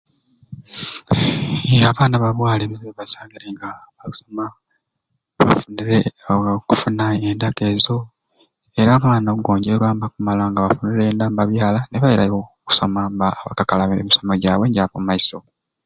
Iye abaana ba bwala ebizibu byebasangire nga bakusoma nibye aa okufuna enda nk'ezo era abaana okugonjorwa nibakumala nga bafunire enda nibabyala ni bairayo okusoma nga nibakakalabya emisomo gyabwe egya kumaiso.